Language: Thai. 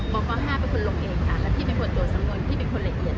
ป๕เป็นคนลงเองค่ะแล้วพี่เป็นคนตรวจสำนวนพี่เป็นคนละเอียด